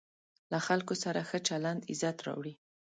له خلکو سره ښه چلند عزت راوړي.